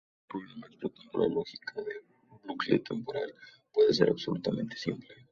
Un programa explotando la lógica de bucle temporal puede ser absolutamente simple.